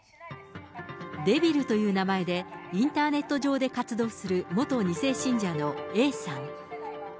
デビルという名前でインターネット上で活動する元２世信者のＡさん。